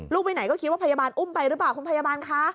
ไปไหนก็คิดว่าพยาบาลอุ้มไปหรือเปล่าคุณพยาบาลคะ